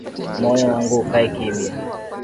Moyo wangu ukae kimya,